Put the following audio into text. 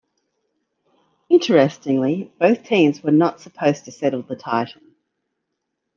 Interestingly, both teams were not supposed to settle the title.